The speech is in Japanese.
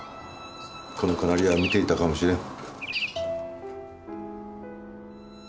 このカナリアは見ていたかもしれん。